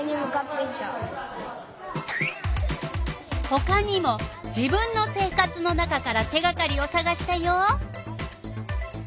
ほかにも自分の生活の中から手がかりをさがしたよ。